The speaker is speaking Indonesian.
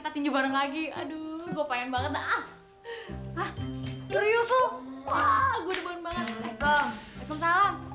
kamu lari aku belum nyum kamu sayang